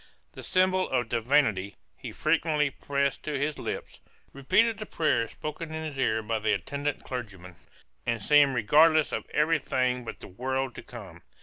The symbol of divinity he frequently pressed to his lips, repeated the prayers spoken in his ear by the attendant clergyman, and seemed regardless of every thing but the world to come.